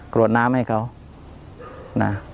กรวดน้ำให้เขานะ